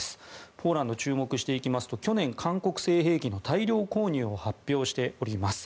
ポーランドに注目していきますと去年、韓国製兵器の大量購入を発表しております。